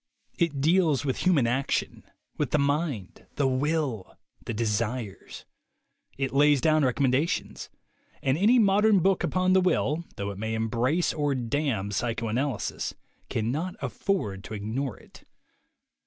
It deals with human action, with the mind, the will, the de sires; it lays down recommendations; and any mod ern book upon the will, though it may embrace or damn psychoanalysis, cannot afford to ignore it.